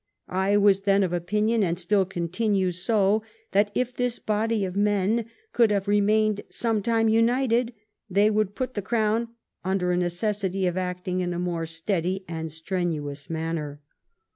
I was then of opinion, and still continue so, that if this body of men could have remained some time united, they would put the crown under a necessity of acting in a more steady and strenuous manner.